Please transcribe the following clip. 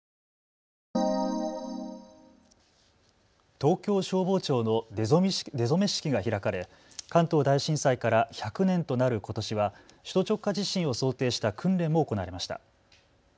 東京消防庁の出初め式が開かれ関東大震災から１００年となることしは首都直下地震を想定した訓練も行われました。